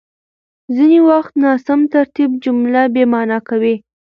ځينې وخت ناسم ترتيب جمله بېمعنا کوي.